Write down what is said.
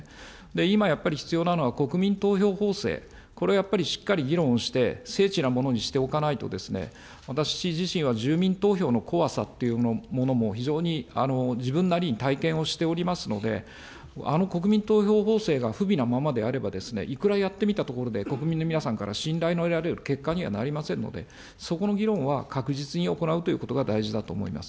今やっぱり、必要なのは国民投票法制、これはやっぱりしっかり議論をして精緻なものにしておかないとですね、私自身は住民投票の怖さっていうものも非常に、自分なりに体験をしておりますので、あの国民投票法制が不備なままであれば、いくらやってみたところで、国民の皆さんから信頼の得られる結果にはなりませんので、そこの議論は確実に行うということが大事だと思います。